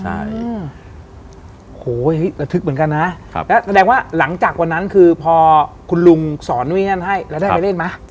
โหระทึกเหมือนกันนะแล้วแสดงว่าหลังจากวันนั้นคือพอคุณลุงสอนวิญญาณให้แล้วได้ไปเล่นไหม